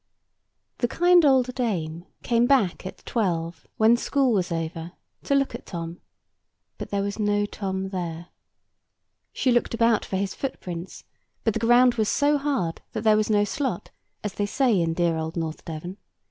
The kind old dame came back at twelve, when school was over, to look at Tom: but there was no Tom there. She looked about for his footprints; but the ground was so hard that there was no slot, as they say in dear old North Devon.